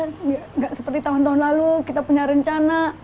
tidak seperti tahun tahun lalu kita punya rencana